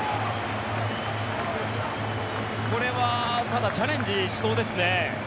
これは、ただチャレンジしそうですね。